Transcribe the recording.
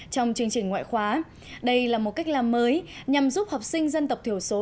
trong chương trình ngoại khóa đây là một cách làm mới nhằm giúp học sinh dân tộc thiểu số